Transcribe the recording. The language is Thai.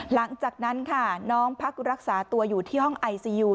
หลังจากนั้นค่ะน้องพักรักษาตัวอยู่ที่ห้องไอซียู